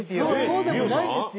そうでもないですよ。